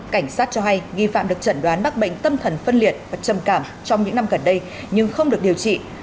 cảnh sát cho hay nghi phạm được chẩn đoán mắc bệnh tâm thần phân liệt và trầm cảm trong những năm gần đây nhưng không được điều trị